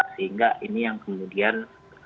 sehingga ini yang kemudian